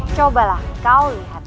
cobalah kau lihat